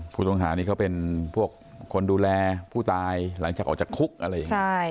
ผู้ต้องหานี่เขาเป็นพวกคนดูแลผู้ตายหลังจากออกจากคุกอะไรอย่างนี้